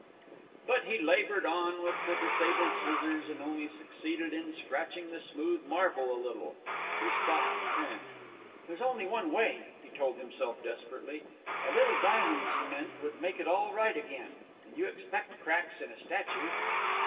But he laboured on with the disabled scissors, and only succeeded in scratching the smooth marble a little; he stopped to pant. "There's only one way," he told himself desperately; "a little diamond cement would make it all right again; and you expect cracks in a statue."